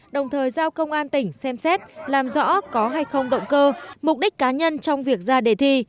đồng thời giao công an tỉnh xem xét làm rõ có hay không động cơ mục đích cá nhân trong việc ra đề thi